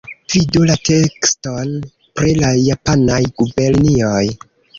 Vidu la tekston pri la japanaj gubernioj.